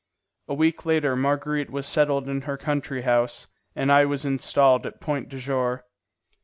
A week later Marguerite was settled in her country house, and I was installed at Point du Jour.